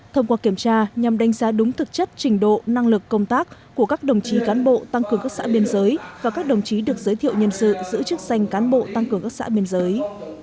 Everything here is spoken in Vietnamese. thông qua kiểm tra nhằm đánh giá đúng thực chất trình độ năng lực công tác của các đồng chí cán bộ tăng cường các xã biên giới và các đồng chí được giới thiệu nhân sự giữ chức danh cán bộ tăng cường các xã biên giới